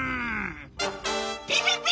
ピピピ！」。